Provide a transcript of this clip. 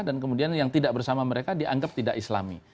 dan kemudian yang tidak bersama mereka dianggap tidak islami